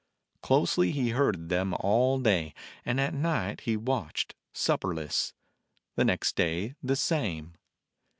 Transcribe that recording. Closely he herded them all day, and at night he watched, supperless ; the next day the same.